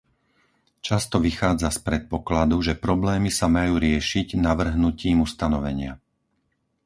Často vychádza z predpokladu, že problémy sa majú riešiť navrhnutím ustanovenia.